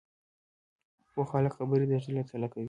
پوه خلک خبرې د زړه له تله کوي